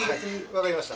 分かりました。